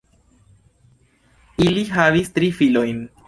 Ili havis tri filojn.